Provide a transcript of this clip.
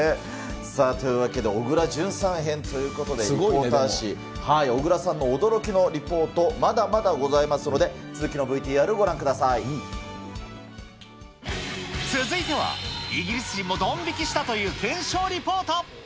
さあ、というわけで、小倉淳さん編ということで、リポーター史、小倉さんの驚きのリポート、まだまだございますので、続きの続いては、イギリス人もドン引きしたという検証リポート。